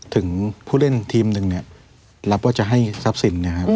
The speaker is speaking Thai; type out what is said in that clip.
ถึงผู้เล่นทีมนึงรับว่าจะให้ทรัพย์สิน